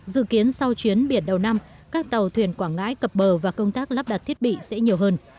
dự kiến sau chuyến biển đầu năm các tàu thuyền quảng ngãi cập bờ và công tác lắp đặt thiết bị sẽ nhiều hơn